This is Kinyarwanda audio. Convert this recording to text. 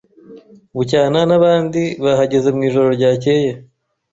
Bucyana nabandi bahageze mwijoro ryakeye.